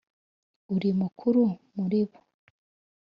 Uri mukuru muri bo,